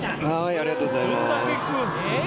ありがとうございます。